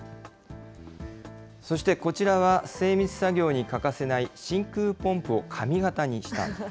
そしてこちらは、精密作業に欠かせない真空ポンプを髪形にしたんです。